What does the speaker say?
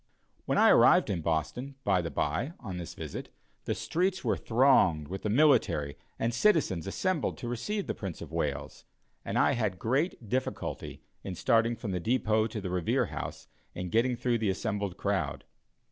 When I arrived in Boston, by the by, on this visit, the streets were thronged with the military and citizens assembled to receive the Prince of Wales, and I had great difficulty, in starting from the depot to the Revere House, in getting through the assembled crowd.